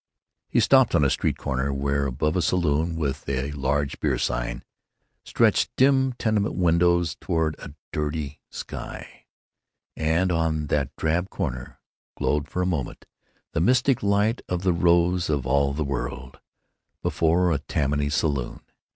He stopped at a street corner where, above a saloon with a large beer sign, stretched dim tenement windows toward a dirty sky; and on that drab corner glowed for a moment the mystic light of the Rose of All the World—before a Tammany saloon!